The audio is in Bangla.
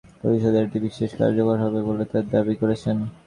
ওষুধ-প্রতিরোধী রোগজীবাণু প্রতিরোধে এটি বিশেষ কার্যকর হবে বলে তাঁরা দাবি করছেন।